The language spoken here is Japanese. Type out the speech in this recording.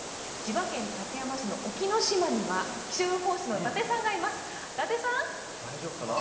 千葉県館山市の沖ノ島には気象予報士の達さんがいます。